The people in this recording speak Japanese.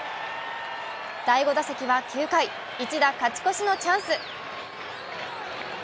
第５打席は９回、一打勝ち越しのチャンス。